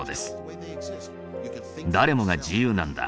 誰もが自由なんだ。